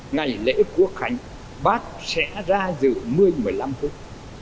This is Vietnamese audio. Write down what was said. ngày lễ quốc hành bắc sẽ ra dự một mươi một mươi năm phút